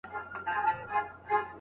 يوسف عليه السلام د خلکو خدمت وکړ.